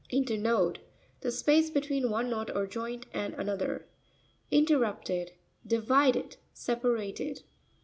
In'TERNoDE.—The space between one knot or joint and another. InrERRU'pTED.— Divided, separated.